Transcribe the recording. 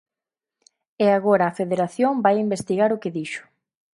E agora a Federación vai investigar o que dixo.